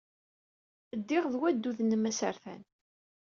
Ddiɣ ed waddud-nnem asertan.